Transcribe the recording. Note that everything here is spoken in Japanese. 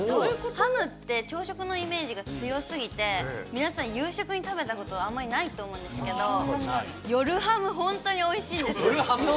ハムって、朝食のイメージが強すぎて皆さん、夕食に食べたこと、あんまりないと思うんですけど、夜ハム、本当においしいんです。